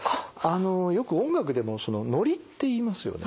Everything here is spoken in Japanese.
あのよく音楽でもノリっていいますよね。